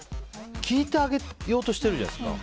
聞いてあげようとしてるじゃないですか。